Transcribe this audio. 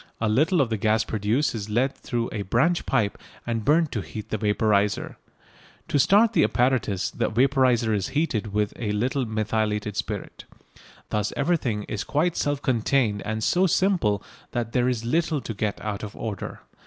A little of the gas produced is led through a branch pipe and burnt to heat the vaporiser. To start the apparatus the vaporiser is heated with a little methylated spirit. Thus everything is quite self contained and so simple that there is little to get out of order.